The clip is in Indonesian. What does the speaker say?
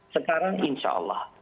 sekarang insya allah